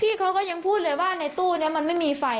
เขาก็ยังพูดเลยว่าในตู้นี้มันไม่มีไฟ